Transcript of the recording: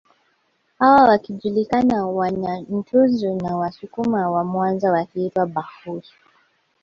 Hawa wakijulikana Wanyantuzu na Wasukuma wa Mwanza wakiitwa Bhasuku